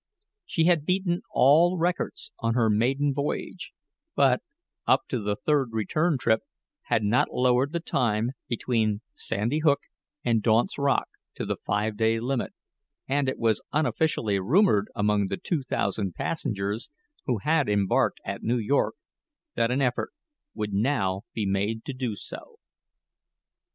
She had beaten all records on her maiden voyage, but, up to the third return trip, had not lowered the time between Sandy Hook and Daunt's Rock to the five day limit; and it was unofficially rumored among the two thousand passengers who had embarked at New York that an effort would now be made to do so.